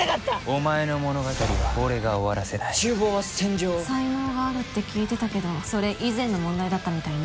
お前の物語は俺が終わらせない厨房は戦場才能があるって聞いてたけどそれ以前の問題だったみたいね